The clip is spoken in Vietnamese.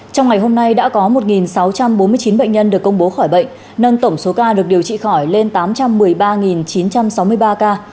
trong ngày hôm nay đã có một sáu trăm bốn mươi chín bệnh nhân được công bố khỏi bệnh nâng tổng số ca được điều trị khỏi lên tám trăm một mươi ba chín trăm sáu mươi ba ca